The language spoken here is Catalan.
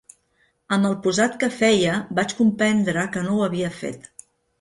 Amb el posat que feia vaig comprendre que no ho havia fet.